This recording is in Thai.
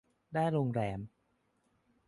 ได้โรงแรม